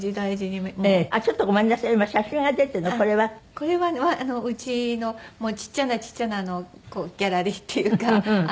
これはうちのちっちゃなちっちゃなギャラリーっていうか。